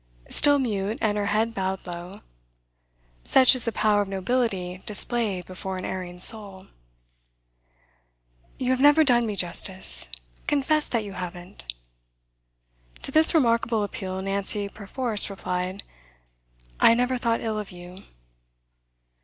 Still mute, and her head bowed low. Such is the power of nobility displayed before an erring soul! 'You have never done me justice. Confess that you haven't!' To this remarkable appeal Nancy perforce replied: 'I never thought ill of you.